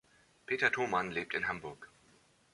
Peter Thomann lebt in Hamburg.